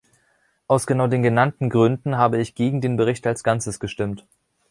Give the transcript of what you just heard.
Aus genau den genannten Gründen habe ich gegen den Bericht als Ganzes gestimmt.